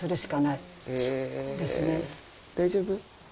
大丈夫？